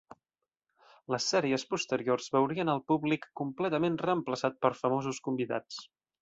Les sèries posteriors veurien el públic completament reemplaçat per famosos convidats.